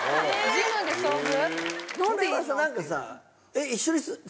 ジムで遭遇？